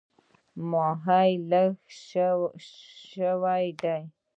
ماهی لږ ښه دی.